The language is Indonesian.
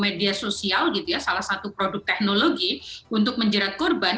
media sosial gitu ya salah satu produk teknologi untuk menjerat korban